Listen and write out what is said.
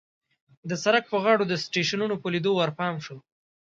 د سړک په غاړو د سټېشنونو په لیدو ورپام شو.